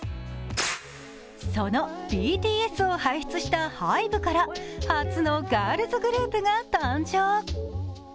そのＢＴＳを輩出したＨＹＢＥから初のガールズグループが誕生。